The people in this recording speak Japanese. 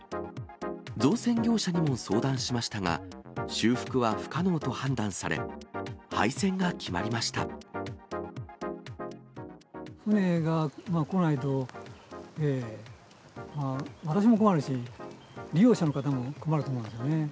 造船業者にも相談しましたが、修復は不可能と判断され、船が来ないと、私も困るし、利用者の方も困ると思うんですよね。